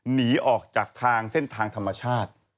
หนีออกจากทางเส้นทางธรรมชาติ